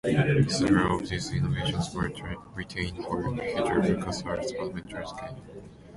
Several of these innovations were retained for future LucasArts adventure games.